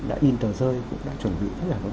đã in tờ rơi cũng đã chuẩn bị